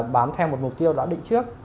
bám theo một mục tiêu đã định trước